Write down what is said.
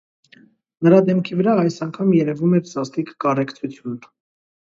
Նրա դեմքի վրա այս անգամ երևում էր սաստիկ կարեկցություն: